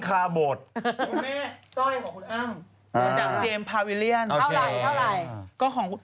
คุณแม่ซ่อยของคุณอ้ำจากเจมส์พาวิเลียน